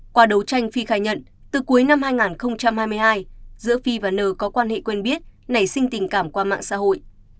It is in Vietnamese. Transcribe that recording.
qua đấu tranh phi khai nhận từ cuối năm hai nghìn hai mươi hai giữa phi và n có quan hệ quen biết nảy sinh tình cảm qua mạng xã hội